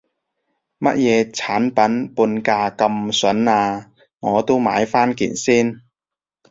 乜嘢產品半價咁筍啊，我都買返件先